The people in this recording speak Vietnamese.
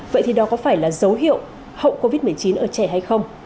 vậy thì đó có phải là dấu hiệu hậu covid một mươi chín ở trẻ hay không